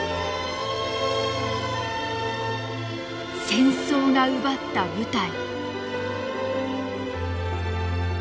戦争が奪った舞台。